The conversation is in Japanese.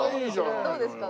どうですか？